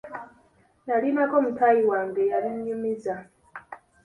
Nnalinako mutaayi wange eyabinyumiza.